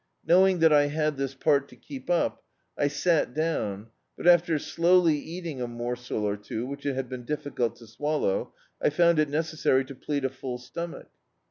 Knowing that I had this part to keep up, I sat down, but after slowly eating a morsel or two, which had been difficult to swallow, I found it necessary to plead a full stomach.